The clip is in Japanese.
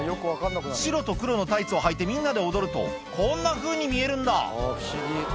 白と黒のタイツをはいてみんなで踊るとこんなふうに見えるんだ